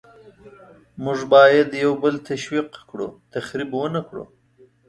موږ باید یو بل تشویق کړو، تخریب ونکړو.